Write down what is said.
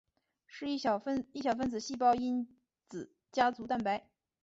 是一小分子细胞因子家族蛋白。